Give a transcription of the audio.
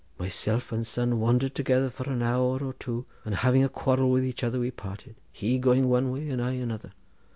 Myself and son wandered together for an hour or two, then, having a quarrel with each other, we parted, he going one way and I another.